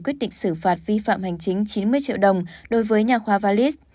quyết định xử phạt vi phạm hành chính chín mươi triệu đồng đối với nhà khoa valis